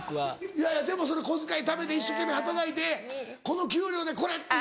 いやいやでもそれ小遣い貯めて一生懸命働いてこの給料でこれっていう。